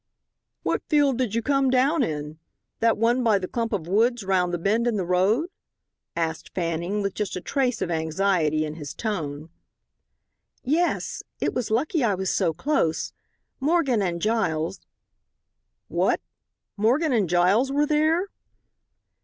"What field did you come down in? That one by the clump of woods round the bend in the road?" asked Fanning, with just a trace of anxiety in his tone. "Yes. It was lucky I was so close. Morgan and Giles " "What, Morgan and Giles were there?"